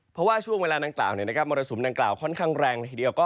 เพราะว่าช่วงเวลานางกล่าวมรสมนางกล่าวค่อนข้างแรง